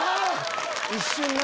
一瞬ね。